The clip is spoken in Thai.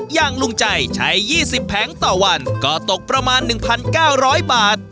อย่างลุงใจใช้๒๐แผงต่อวันก็ตกประมาณ๑๙๐๐บาท